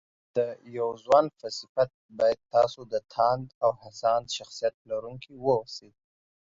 د يو ځوان په صفت بايد تاسو د تاند او هڅاند شخصيت لرونکي واوسئ